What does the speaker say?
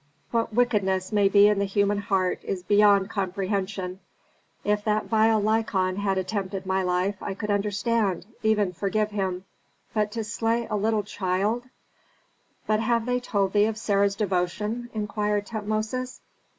What wickedness may be in the human heart is beyond comprehension. If that vile Lykon had attempted my life I could understand, even forgive him. But to slay a little child " "But have they told thee of Sarah's devotion?" inquired Tutmosis.